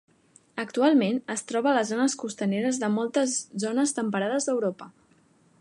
Actualment es troba a les zones costaneres de moltes zones temperades d'Europa.